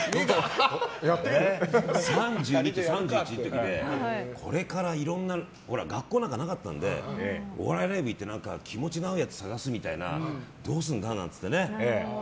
３２と３１の時でこれからいろんな学校なんてなかったのでお笑いライブ行って気持ちが合うやつ探すみたいなどうすんだ？なんて言ってね。